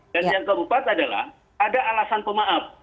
dan yang keempat adalah ada alasan pemaaf